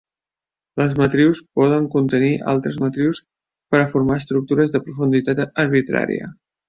Les matrius poden contenir altres matrius per a formar estructures de profunditat arbitrària.